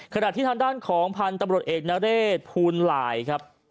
ขณะที่ทางด้านของพันธุ์ตำรวจเอกนเรศภูลหลายครับ